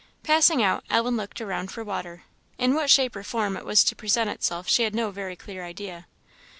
Passing out, Ellen looked around for water in what shape or form it was to present itself she had no very clear idea.